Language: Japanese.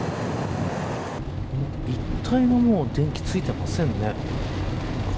一帯も電気ついていませんね。